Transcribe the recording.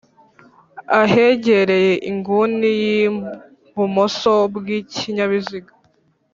Ahegereye inguni y’ibumoso bw’ikinyabiziga